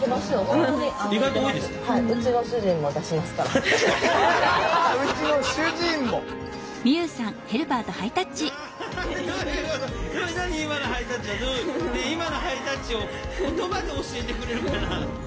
今のハイタッチを言葉で教えてくれるかな？